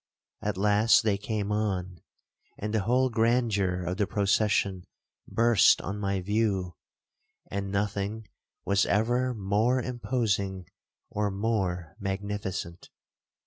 At last they came on, and the whole grandeur of the procession burst on my view, and nothing was ever more imposing, or more magnificent.